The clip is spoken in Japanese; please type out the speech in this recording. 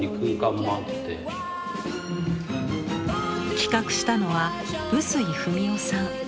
企画したのは臼井二美男さん。